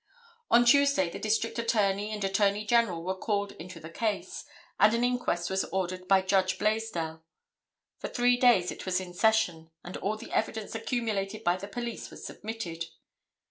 On Tuesday the District Attorney and Attorney General were called into the case, and an inquest was ordered by Judge Blaisdell. For three days it was in session, and all the evidence accumulated by the police was submitted.